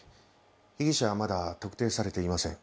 被疑者はまだ特定されていません。